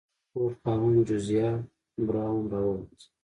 د کور خاوند جوزیا براون راووت.